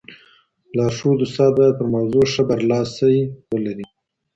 لارښود استاد باید پر موضوع ښه برلاسی ولري.